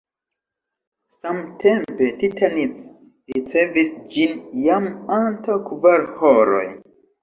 Samtempe "Titanic" ricevis ĝin jam antaŭ kvar horoj.